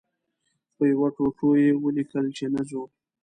په یوه ټوټو یې ولیکل چې نه ځو.